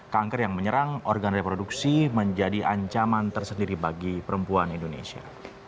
kanker yang menyerang organ reproduksi menjadi ancaman tersendiri bagi perempuan indonesia